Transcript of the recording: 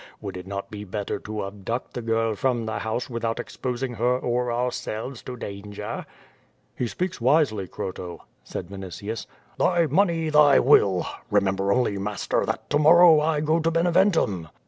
Would it not be better to abduct the girl from the house without exposing her or ourselves to danger?" "He speaks wisely, Croto," said Vinitius. "Thy money, thy will; remember only master, that to mor row I go to Beneventum."